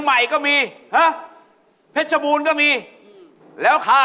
ไม่มีแล้ว